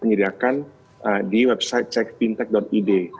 penyediakan di website cekfintech id